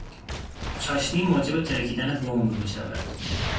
چاشنی موجب ترکیدن بمب میشود.